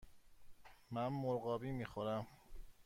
من مرغابی می خورم.